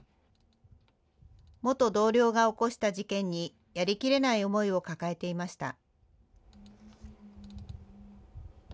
元同僚が起こした事件にやりきれない思いを抱えていました。